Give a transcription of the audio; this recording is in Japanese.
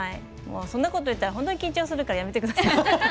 そんなこと言ったら本当に緊張するからやめてください。